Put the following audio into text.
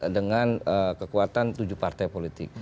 dengan kekuatan tujuh partai politik